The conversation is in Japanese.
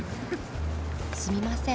すみません。